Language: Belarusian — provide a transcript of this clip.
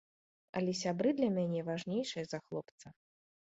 Але сябры для мяне важнейшыя за хлопца.